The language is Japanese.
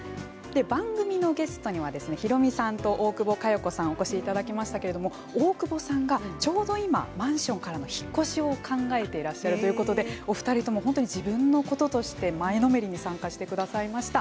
番組のゲストにはヒロミさんと大久保佳代子さんにお越しいただいているんですが大久保さんが、ちょうど今マンションからの引っ越しを考えていらっしゃるということでお二人とも自分のこととして前のめりに参加してくださいました。